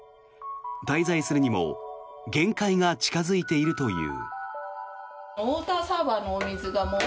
滞在するにも限界が近付いているという。